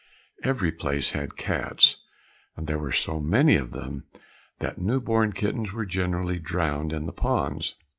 Every place had cats, and there were so many of them that new born kittens were generally drowned in the ponds.